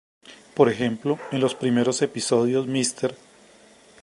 Por ejemplo, en los primeros episodios Mr.